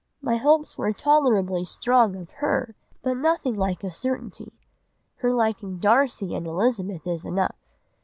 My hopes were tolerably strong of her, but nothing like a certainty. Her liking Darcy and Elizabeth is enough.